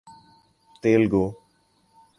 Telugu